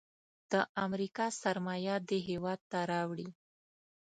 د امریکا سرمایه دې هیواد ته راوړي.